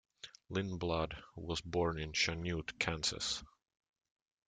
Lindblad was born in Chanute, Kansas.